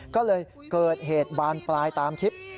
ก็เลยเกิดเหตุบานปลายตามคลิป